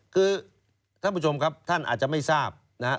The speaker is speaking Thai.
คือท่านผู้ชมครับท่านอาจจะไม่ทราบนะครับ